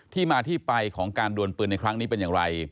ที่มาที่ไปของการดวนปืนในครั้งนี้เป็นอย่างไร